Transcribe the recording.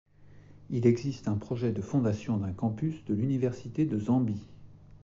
Il existe un projet de fondation d'un campus de l'université de Zambie.